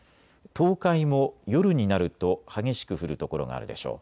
東海も夜になると激しく降る所があるでしょう。